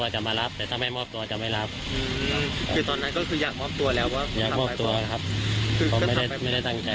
ก็ไม่ได้ตั้งใจ